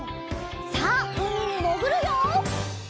さあうみにもぐるよ！